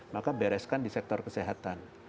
maka bereskan di sektor kesehatan